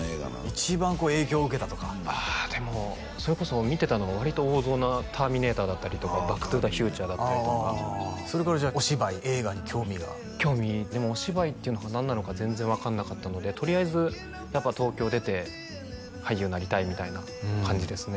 一番こう影響を受けたとかあでもそれこそ見てたのは割と王道な「ターミネーター」だったりとか「バック・トゥ・ザ・フューチャー」だったりとかそれからじゃあお芝居映画に興味が興味でもお芝居っていうのが何なのか全然分かんなかったのでとりあえずやっぱ東京出て俳優なりたいみたいな感じですね